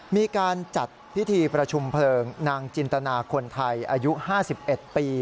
มีการจัดพิธีประชุมเพลิงนางจินตนาคนไทยอายุ๕๑ปี